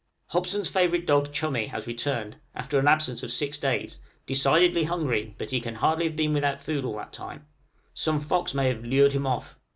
Hobson's favorite dog "Chummie" has returned, after an absence of six days, decidedly hungry, but he can hardly have been without food all that time; some fox may have lured him off.